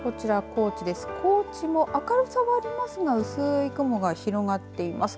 高知も明るさはありますが薄い雲が広がっています。